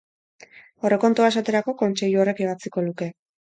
Aurrekontua, esaterako, Kontseilu horrek ebatziko luke.